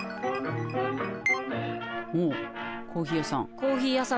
おコーヒー屋さん。